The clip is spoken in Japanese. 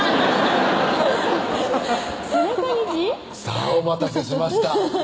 さぁお待たせしました